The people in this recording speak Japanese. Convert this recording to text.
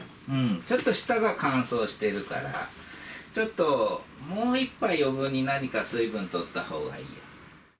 ちょっと舌が乾燥してるから、ちょっと、もう１杯、余分に何か水分とったほうがいい。